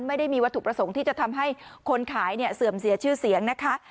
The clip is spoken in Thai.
ไม่ได้มีวัตถุประสงค์ที่จะทำให้คนขายเนี่ยเสื่อมเสียชื่อเสียงนะคะ